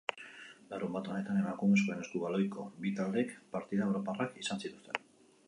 Larunbat honetan emakumezkoen eskubaloiko bi taldek partida europarrak izan zituzten.